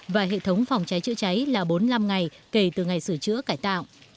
và hệ thống phòng cháy chữa cháy là bốn mươi năm ngày kể từ ngày sửa chữa cải tạo